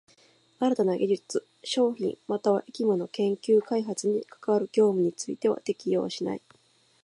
新たな技術、商品又は役務の研究開発に係る業務については適用しない。